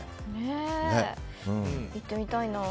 行ってみたいな。